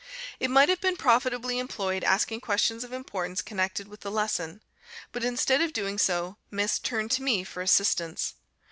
It might have been profitably employed asking questions of importance connected with the lesson; but instead of doing so, Miss turned to me for assistance.